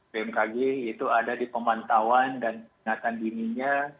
bmkg itu ada di pemantauan dan peningkatan dinas